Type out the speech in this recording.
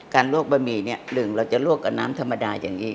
ลวกบะหมี่เนี่ยหนึ่งเราจะลวกกับน้ำธรรมดาอย่างนี้